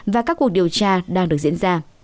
và các cuộc điều tra đang được diễn ra